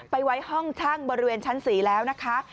ไปไว้ห้องช่างบริเวณชั้น๔แล้วนะคะ